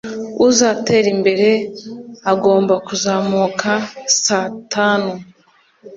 uzatera imbere, agomba kuzamuka saa tanu.